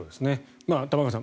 玉川さん